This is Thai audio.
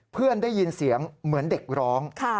ได้ยินเสียงเหมือนเด็กร้อง